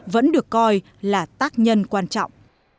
vẫn được coi là tác nhân quan trọng